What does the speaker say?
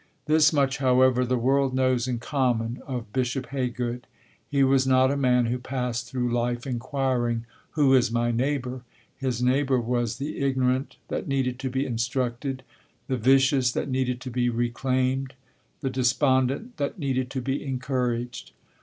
This much, however, the world knows in common of Bishop Haygood: He was not a man who passed through life inquiring, "Who is my neighbor?" His neighbor was the ignorant that needed to be instructed, the vicious that needed to be reclaimed, the despondent that needed to be encouraged.